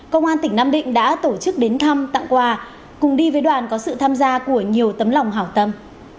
công an tỉnh nam định đã tổ chức đến thăm tặng quà cùng đi với đoàn có sự tham gia của nhiều tấm lòng hảo tâm